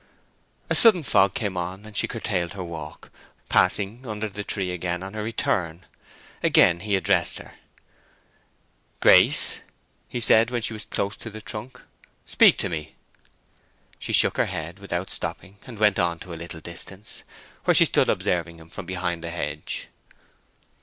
A sudden fog came on, and she curtailed her walk, passing under the tree again on her return. Again he addressed her. "Grace," he said, when she was close to the trunk, "speak to me." She shook her head without stopping, and went on to a little distance, where she stood observing him from behind the hedge.